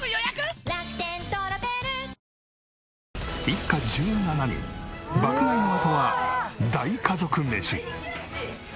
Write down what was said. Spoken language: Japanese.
一家１７人爆買いのあとは大家族メシ。